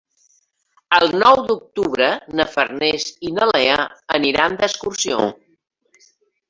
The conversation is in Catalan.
El nou d'octubre na Farners i na Lea aniran d'excursió.